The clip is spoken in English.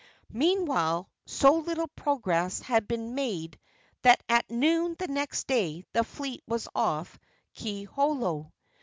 Meanwhile, so little progress had been made that at noon the next day the fleet was off Kiholo.